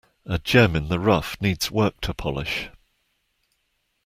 A gem in the rough needs work to polish.